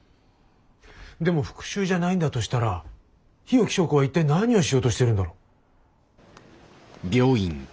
でも復讐じゃないんだとしたら日置昭子は一体何をしようとしてるんだろう？